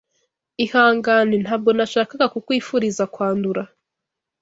Ihangane, ntabwo nashakaga kukwifuriza kwandura .